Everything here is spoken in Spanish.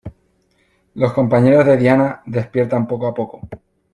Los compañeros de Diana despiertan poco a poco.